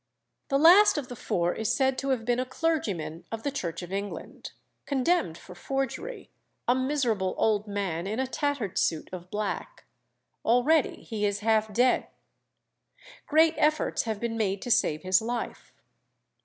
The last of the four is said to have been a clergyman of the Church of England, condemned for forgery, "a miserable old man in a tattered suit of black. Already he is half dead. Great efforts have been made to save his life.